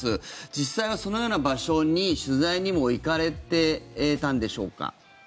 実際にそのような場所に取材にも行かれていたんでしょうか。